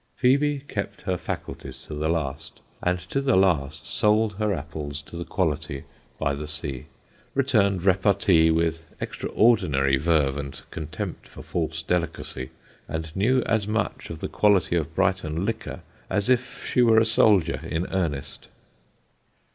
Phebe kept her faculties to the last, and to the last sold her apples to the Quality by the sea, returned repartees with extraordinary verve and contempt for false delicacy, and knew as much of the quality of Brighton liquor as if she were a soldier in earnest.